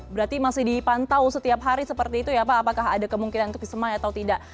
berarti masih dipantau setiap hari seperti itu ya pak apakah ada kemungkinan untuk disemai atau tidak